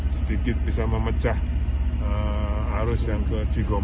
sedikit bisa memecah arus yang ke cigong